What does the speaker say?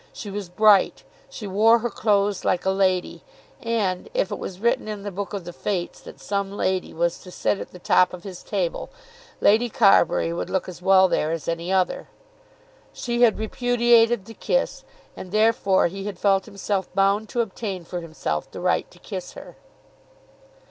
She was bright. She wore her clothes like a lady; and, if it was written in the Book of the Fates that some lady was to sit at the top of his table, Lady Carbury would look as well there as any other. She had repudiated the kiss, and therefore he had felt himself bound to obtain for himself the right to kiss her.